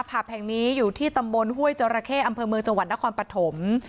ผับแห่งนี้อยู่ที่ตำบลห้วยจราเข้อำเภอเมืองจังหวัดนครปฐม